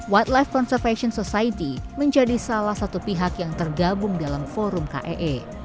white life conservation society menjadi salah satu pihak yang tergabung dalam forum kee